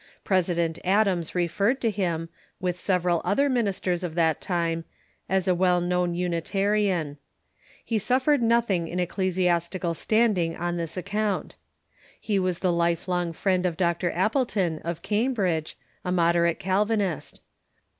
President Adams referred to him, with several other ministers of that time, as a well known Unitarian. He suflfered nothing in ecclesiastical standing on this account. He was the life long friend of Dr. Appleton, of Cambridge, a mod erate Calvinist.